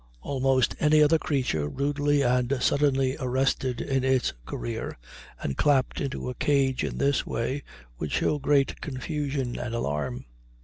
Almost any other creature rudely and suddenly arrested in its career, and clapped into a cage in this way, would show great confusion and alarm.